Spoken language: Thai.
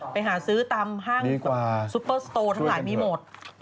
ไปหาซื้อตามห้างซุปเปอร์สโตร์ทั้งหลายมีหมด